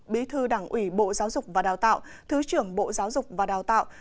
bí thư đảng ủy bộ giáo dục và đào tạo thứ trưởng bộ giáo dục và đào tạo